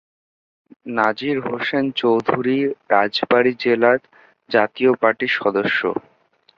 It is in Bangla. নাজির হোসেন চৌধুরী রাজবাড়ী জেলা জাতীয় পার্টির সদস্য।